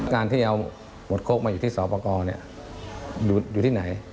การที่เอาหมวดโคกมาอยู่ที่สอปกรอยู่ที่ไหน